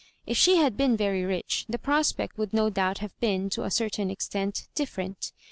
If she had been very rich, the prospect would no doubt have been, to a certain extent, different.